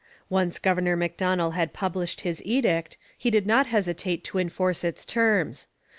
Once Governor Macdonell had published his edict, he did not hesitate to enforce its terms.